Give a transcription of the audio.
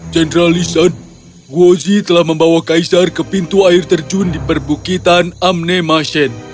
jenderal lisan gozi telah membawa kaisar ke pintu air terjun di perbukitan amne masjen